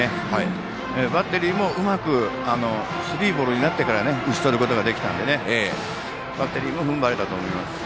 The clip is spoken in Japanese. バッテリーもうまくスリーボールになってから打ち取ることができたのでバッテリーも踏ん張れたと思います。